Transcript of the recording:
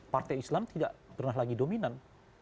partai islam tidak pernah lagi dominan